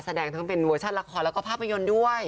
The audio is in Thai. แสดงทั้งเป็นเวอร์ชันละครแล้วก็ภาพยนตร์ด้วย